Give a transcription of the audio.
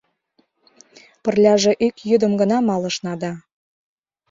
Пырляже ик йӱдым гына малышна да...